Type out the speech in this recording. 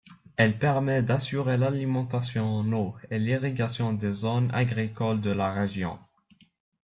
Elle permet d'assurer l'alimentation en eau et l'irrigation de zones agricoles de la région.